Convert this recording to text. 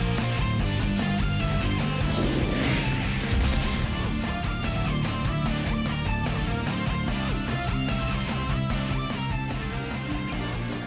ก็คลาดยุควัน